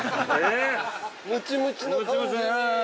◆ムチムチに。